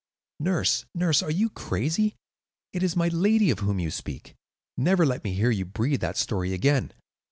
"Nurse, nurse, are you crazy? It is my lady of whom you speak. Never let me hear you breathe that story again.